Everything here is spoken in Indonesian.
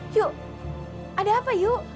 yu ada apa yu